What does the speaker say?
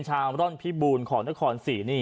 ชาวร่อนพี่บุญของเดอะคอน๔